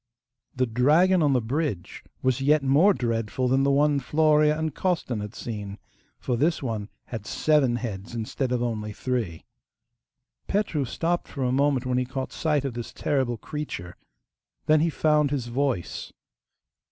The dragon on the bridge was yet more dreadful than the one Florea and Costan had seen, for this one had seven heads instead of only three. Petru stopped for a moment when he caught sight of this terrible creature. Then he found his voice.